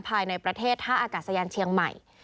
ภายในประเทศท่าอากาศยานเชียงใหม่